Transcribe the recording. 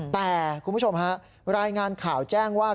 แต่คุณผู้ชมฮะรายงานข่าวแจ้งว่า